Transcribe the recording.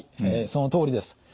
そのとおりです。